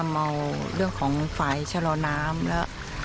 เราจำเอาเรื่องของฝ่ายชะลอน้ำและ